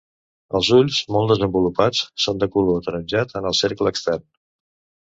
Els ulls, molt desenvolupats, són de color ataronjat en el cercle extern.